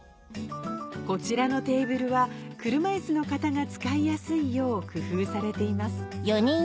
こちらのテーブルは車いすの方が使いやすいよう工夫されています